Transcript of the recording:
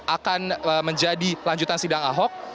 akan menjadi lanjutan sidang ahok